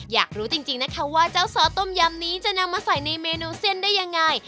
อยากรู้จริงนะคะว่าเจ้าซอสต้มยำนี้จะนำมาใส่ในเมนูเส้นได้ยังไง